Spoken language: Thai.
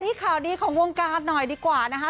ที่ข่าวดีของวงการหน่อยดีกว่านะคะ